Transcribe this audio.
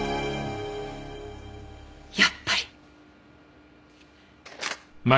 やっぱり。